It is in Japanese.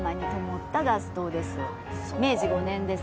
明治５年ですね。